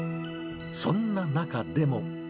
そんな中でも。